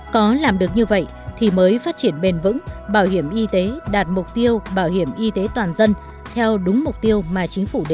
có làm được như vậy thì mới phát triển bền vững bảo hiểm y tế đạt mục tiêu bảo hiểm y tế toàn dân theo đúng mục tiêu mà chính phủ đề ra